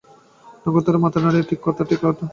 নক্ষত্ররায় মাথা নাড়িয়া কহিলেন, ঠিক কথা, ঠিক কথা।